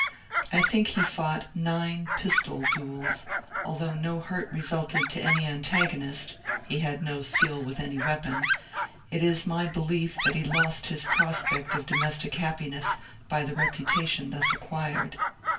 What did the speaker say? I think he fought nine pistol duels, and although no hurt re sulted to any antagonist, — he had no skill with any weapon, — it is my belief that he lost his prospect of domestic happi ness by the reputation thus acquired.